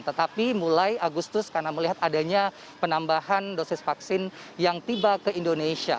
tetapi mulai agustus karena melihat adanya penambahan dosis vaksin yang tiba ke indonesia